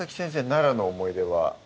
奈良の思い出は？